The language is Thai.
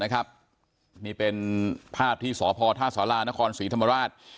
ตำรวจนะครับนี่เป็นภาพที่สภท่าสารานครศรีธรรมราช